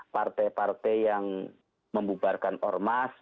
partai partai yang membubarkan ormas